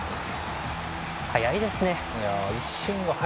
速いですね。